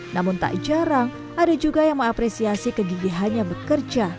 namun tak jarang ada juga yang mengapresiasi kegigihannya bekerja